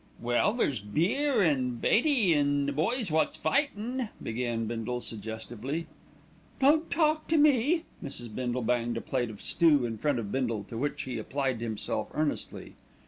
"Well, there's beer, an' Beatty, an' the boys wot's fightin'," began Bindle suggestively. "Don't talk to me!" Mrs. Bindle banged a plate of stew in front of Bindle, to which he applied himself earnestly.